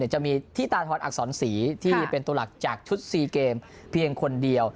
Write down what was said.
จะมีที่ตาทรอักษรศรีที่เป็นตัวหลักจากชุด๔เกมเพียงคนเดียว